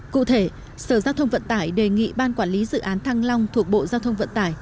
cụ thể sở giao thông vận tải đề nghị ban quản lý dự án thăng long thuộc bộ giao thông vận tải